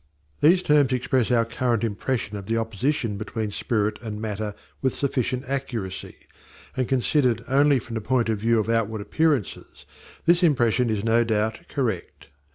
These terms express our current impression of the opposition between spirit and matter with sufficient accuracy, and considered only from the point of view of outward appearances this impression is no doubt correct.